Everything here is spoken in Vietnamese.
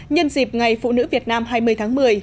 nhân dịp ngày phụ nữ việt nam hai mươi tháng một mươi